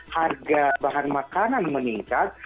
harga bahan makanan meningkat